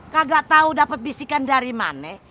kagak tau dapet bisikan dari mana